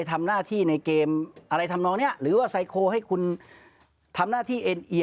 ทำหน้าที่เอ็นเอียงหรืออะไรครับน้องนี้